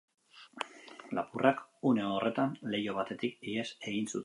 Lapurrak, une horretan, leiho batetik ihesi egin zuten.